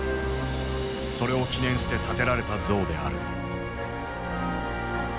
それを記念して建てられた像である。